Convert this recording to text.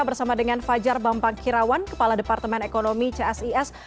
bersama dengan fajar bampangkirawan kepala departemen ekonomi csis